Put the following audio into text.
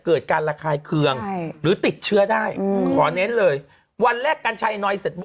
เกิดการระคายเคืองหรือติดเชื้อได้อืมขอเน้นเลยวันแรกกัญชัยหน่อยเสร็จปุ